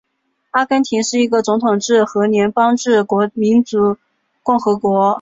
阿根廷是一个总统制和联邦制民主共和国。